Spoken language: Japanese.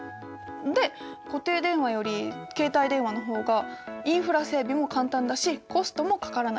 で固定電話より携帯電話の方がインフラ整備も簡単だしコストもかからない。